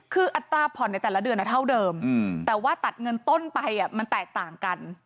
คืออัตราผ่อนในแต่ละเดือนเท่าเดิมแต่ว่าตัดเงินต้นไปมันแตกต่างกัน